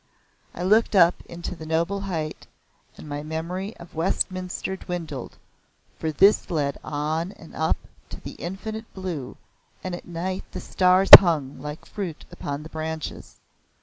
I looked up into the noble height and my memory of Westminster dwindled, for this led on and up to the infinite blue, and at night the stars hung like fruit upon the branches.